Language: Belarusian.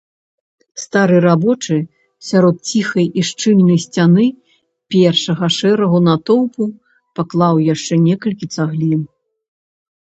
Стары рабочы, сярод ціхай і шчыльнай сцяны першага шэрага натоўпу, паклаў яшчэ некалькі цаглін.